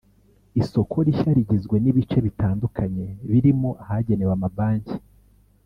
Isoko rishya rigizwe n’ibice bitandukanye birimo ahagenewe amabanki